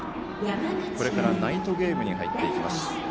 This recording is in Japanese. これからナイトゲームに入ります。